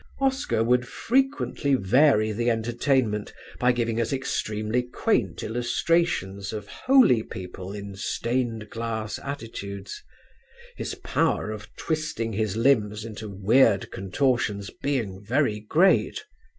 "Oscar would frequently vary the entertainment by giving us extremely quaint illustrations of holy people in stained glass attitudes: his power of twisting his limbs into weird contortions being very great.